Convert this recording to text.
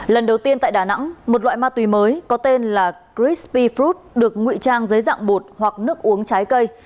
lần đầu tiên tại đà nẵng một loại ma túy mới có tên là crispy fruit được ngụy trang giấy dạng bột hoặc nước uống trái cây